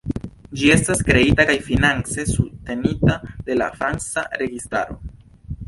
Ĝi estas kreita kaj finance subtenita de la franca registraro.